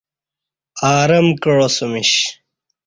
ارم کعاسمیش۔